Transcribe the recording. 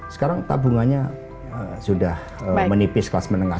sekarang tabungannya sudah menipis kelas menengah